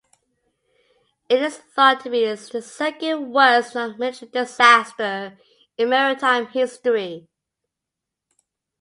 It is thought to be the second-worst non-military disaster in maritime history.